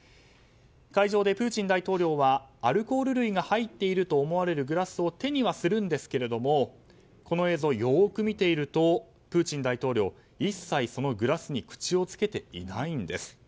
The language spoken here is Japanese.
会場でプーチン大統領はアルコール類が入っていると思われるグラスを手にはするんですがこの映像をよく見ているとプーチン大統領一切、そのグラスに口をつけていないんです。